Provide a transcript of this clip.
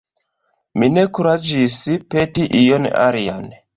Mi ne kuraĝis peti ion alian.